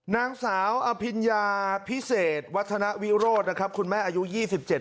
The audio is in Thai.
นางสาวอพิญญาพิเศษวัฒนาวิโรธคุณแม่อายุ๒๗ปี